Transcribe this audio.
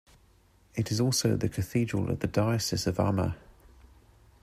It is also the cathedral of the Diocese of Armagh.